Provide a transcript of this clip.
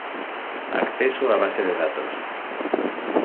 Acceso a base de datos.